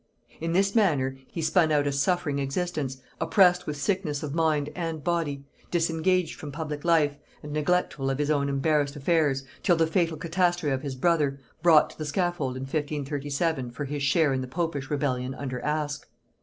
In this manner he spun out a suffering existence, oppressed with sickness of mind and body, disengaged from public life, and neglectful of his own embarrassed affairs, till the fatal catastrophe of his brother, brought to the scaffold in 1537 for his share in the popish rebellion under Aske.